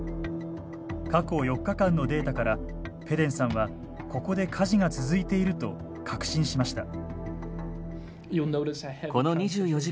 過去４日間のデータからペデンさんはここで火事が続いていると確信しました。